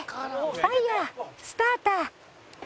ファイヤースターター！